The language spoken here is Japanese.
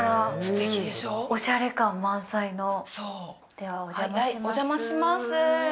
では、お邪魔します。